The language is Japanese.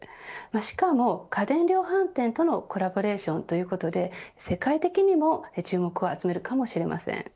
しかも、家電量販店とのコラボレーションということで世界的にも注目を集めるかもしれません。